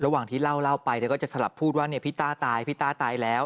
ระหว่างที่เล่าไปก็จะสลับพูดว่าพี่ตาตายแล้ว